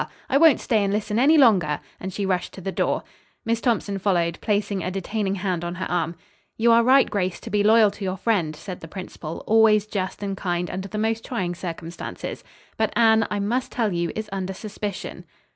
I won't stay and listen any longer," and she rushed to the door. Miss Thompson followed, placing a detaining hand on her arm. "You are right, Grace, to be loyal to your friend," said the principal, always just and kind under the most trying circumstances; "but Anne, I must tell you, is under suspicion."